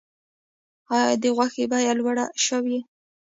آیا د غوښې بیه لوړه شوې؟